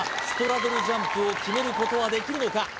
ストラドルジャンプを決めることはできるのか？